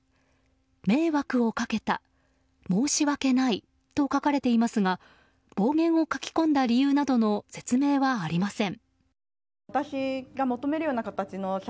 迷惑をかけた、申し訳ないと書かれていますが暴言を書き込んだ理由などの説明はありません。